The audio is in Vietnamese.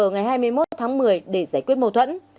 ngày hai mươi một tháng một mươi để giải quyết mâu thuẫn